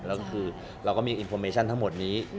แล้วก็คือเราก็มีคำสำคัญทั้งหมดนี้